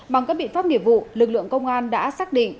bằng các biện pháp nghiệp vụ lực lượng công an đã xác định